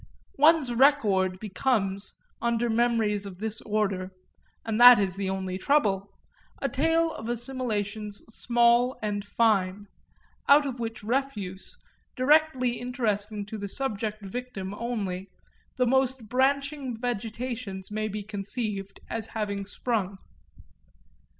One's record becomes, under memories of this order and that is the only trouble a tale of assimilations small and fine; out of which refuse, directly interesting to the subject victim only, the most branching vegetations may be conceived as having sprung.